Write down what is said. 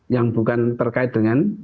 yang bukan terkait dengan